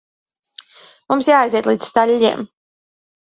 Mums jāaiziet līdz staļļiem.